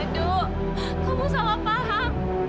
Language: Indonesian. edo kamu salah paham